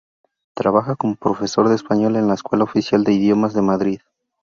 Trabaja como profesor de español en la Escuela Oficial de Idiomas de Madrid.